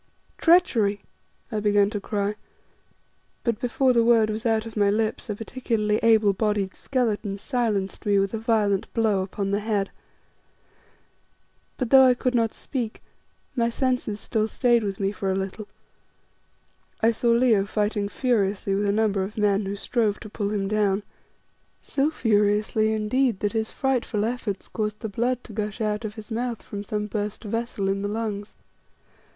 "Treachery!" I began to cry, and before the word was out of my lips, a particularly able bodied skeleton silenced me with a violent blow upon the head. But though I could not speak, my senses still stayed with me for a little. I saw Leo fighting furiously with a number of men who strove to pull him down, so furiously, indeed that his frightful efforts caused the blood to gush out of his mouth from some burst vessel in the lungs.